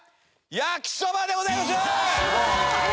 焼きそばでございます！